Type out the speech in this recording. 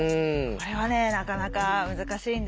これはねなかなか難しいんですよ。